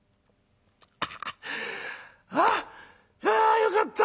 「ああっあよかった！